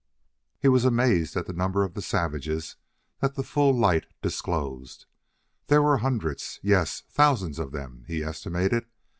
He was amazed at the numbers of the savages that the full light disclosed. There were hundreds yes, thousands of them, he estimated.